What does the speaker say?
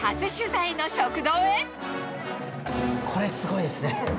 これ、すごいですね。